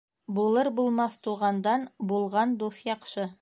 Булыр-булмаҫ туғандан булған дуҫ яҡшы.